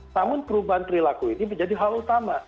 namun perubahan perilaku ini menjadi hal utama